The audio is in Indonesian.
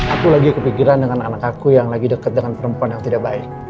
aku lagi kepikiran dengan anak aku yang lagi dekat dengan perempuan yang tidak baik